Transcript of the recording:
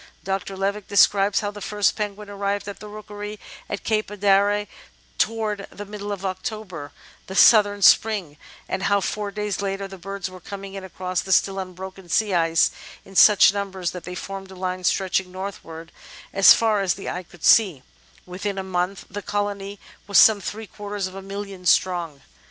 Dr. Levick describes how the first penguin arrived at the "rookery" at Cape Adare towards the middle of October, the southern spring, and how four days later the birds were coming in across the still unbroken sea ice in such numbers that they formed a line stretching northwards as far as 400 The Outline of Science the eye could see; within a month the colony was some three quarters of a million strong.